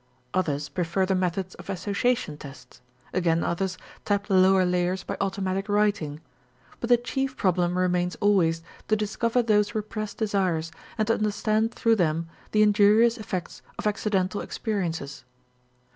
Others prefer the methods of association tests, again others tap the lower layers by automatic writing, but the chief problem remains always to discover those repressed desires and to understand through them the injurious effects of accidental experiences.